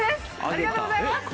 ありがとうございます！